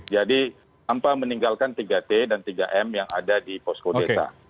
jadi tanpa meninggalkan tiga t dan tiga m yang ada di posko desa